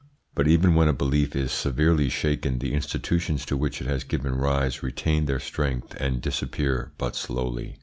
But even when a belief is severely shaken, the institutions to which it has given rise retain their strength and disappear but slowly.